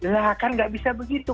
lah kan nggak bisa begitu